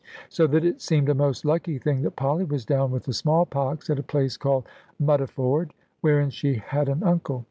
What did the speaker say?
So that it seemed a most lucky thing that Polly was down with the small pox, at a place called Muddiford; wherein she had an uncle.